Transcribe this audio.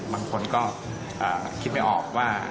บางคนก็คิดไม่ออกว่า